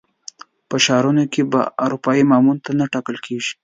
په ښارونو کې به اروپایي مامورین نه ټاکل کېږي.